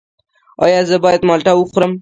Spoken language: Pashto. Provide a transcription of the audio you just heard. ایا زه باید مالټه وخورم؟